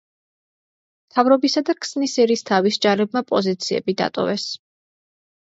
მთავრობისა და ქსნის ერისთავის ჯარებმა პოზიციები დატოვეს.